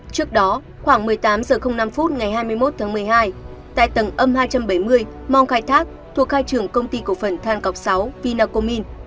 trước đó khoảng một mươi tám h năm ngày hai mươi một tháng một mươi hai tại tầng âm hai trăm bảy mươi mong khai thác thuộc khai trường công ty cổ phần than cọc sáu vinacomin